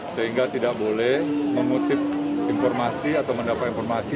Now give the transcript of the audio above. sehingga tidak boleh mengutip informasi atau mendapat informasi